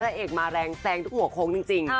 เอกมาแรงแซงทุกหัวโค้งจริง